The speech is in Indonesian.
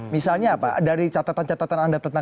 misalnya apa dari catatan catatan anda tentang